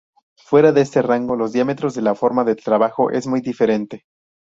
Fuera de este rango de diámetros la forma de trabajo es muy diferente.